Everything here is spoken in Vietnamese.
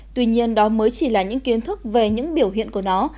tuy nhiên đó mới chỉ là những kiến thức về những biểu hiện của nó